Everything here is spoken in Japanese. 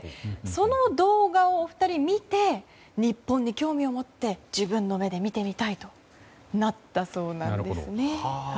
その動画をお二人は見て日本に興味を持って自分の目で見てみたいとなったそうなんです。